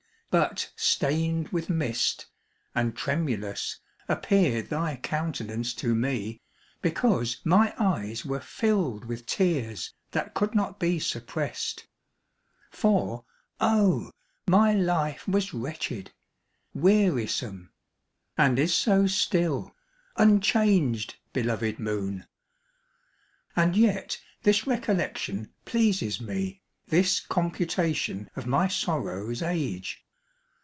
But stained with mist, and tremulous, appeared Thy countenance to me, because my eyes Were filled with tears, that could not be suppressed; For, oh, my life was wretched, wearisome, And is so still, unchanged, belovèd moon! And yet this recollection pleases me, This computation of my sorrow's age.